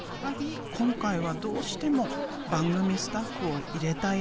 今回はどうしても番組スタッフを入れたいらしい。